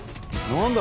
何だ？